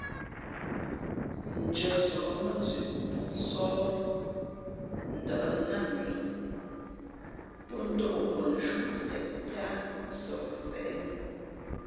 Ndʉ̄αsǒh mά zʉʼ pó nsoh ndα̌ nát mʉ lά pó ndóʼ mbh nshúnseʼ píá sohnsěʼ mʉ.